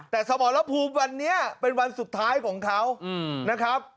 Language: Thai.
แต่สมรภูมิวันนี้เป็นวันสุดท้ายของเขานะครับ